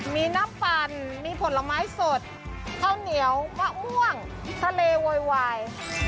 มีน้ำปั่นมีผลไม้สดข้าวเหนียวมะม่วงทะเลโวยวาย